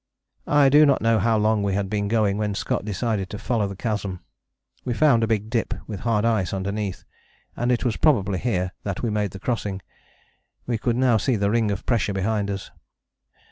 I do not know how long we had been going when Scott decided to follow the chasm. We found a big dip with hard ice underneath, and it was probably here that we made the crossing: we could now see the ring of pressure behind us.